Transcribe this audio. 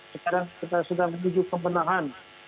sekarang kita sudah menuju pembenahan